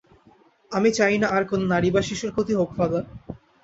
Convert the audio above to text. আমি চাই না আর কোন নারী বা শিশুর ক্ষতি হোক, ফাদার।